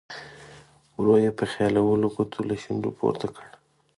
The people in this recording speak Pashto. ورو یې په خیالولو ګوتو له شونډو پورته کړ.